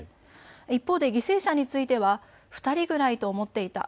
一方で犠牲者については２人ぐらいと思っていた。